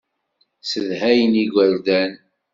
Ssedhayen igerdan.